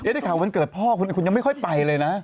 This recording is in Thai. ได้ข่าววันเกิดพ่อคุณคุณยังไม่ค่อยไปเลยนะ